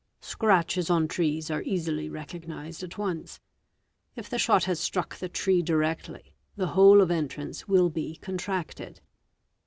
Scratches on trees are easily recognised i once. If the shot has struck the tree directly, the hole of entrance will be contracted.